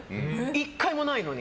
１回もないのに。